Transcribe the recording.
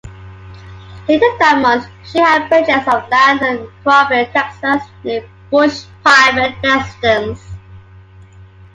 Later that month, Sheehan purchased of land in Crawford, Texas, near Bush's private residence.